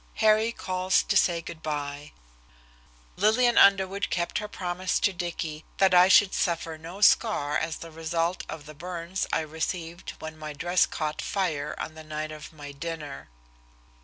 XXXIX HARRY CALLS TO SAY GOOD BY Lillian Underwood kept her promise to Dicky that I should suffer no scar as the result of the burns I received when my dress caught fire on the night of my dinner.